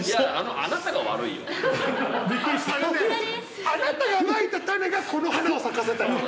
あなたがまいた種がこの花を咲かせたのよ。